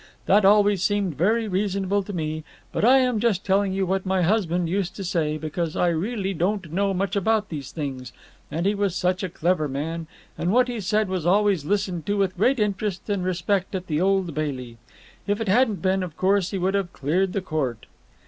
That always seemed very reasonable to me, but I am just telling you what my husband used to say, because I really don't know much about these things, and he was such a clever man, and what he said was always listened to with great interest and respect at the Old Bailey. If it hadn't been, of course he would have cleared the court.